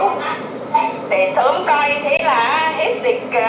để sớm coi thế là hết dịch